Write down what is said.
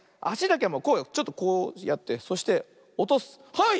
はい！